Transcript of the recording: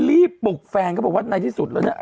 พี่ปุกแฟนก็บอกว่าในที่สุดแล้วเนี่ย